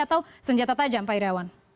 atau senjata tajam pak iryawan